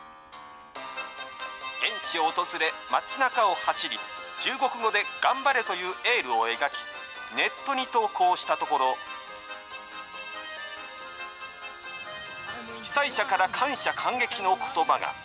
現地を訪れ、町なかを走り、中国語で頑張れというエールを描き、ネットに投稿したところ、被災者から感謝感激のことばが。